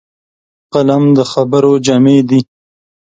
قلم د خبرو جامې دي